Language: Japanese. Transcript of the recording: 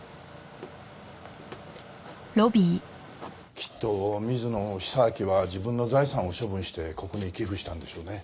きっと水野久明は自分の財産を処分してここに寄付したんでしょうね。